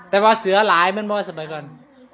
แต่ว่าเสือหลายมันไม่สบายกัน